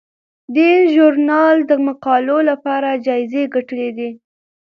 دې ژورنال د مقالو لپاره جایزې ګټلي دي.